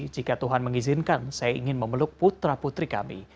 jika tuhan mengizinkan saya ingin memeluk putra putri kami